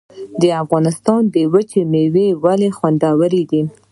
د افغانستان وچې میوې ولې خوندورې دي؟